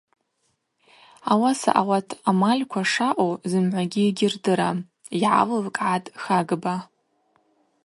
Ауаса ауат амальква шаъу зымгӏвагьи йгьырдырам, – йгӏалылкӏгӏатӏ Хагба.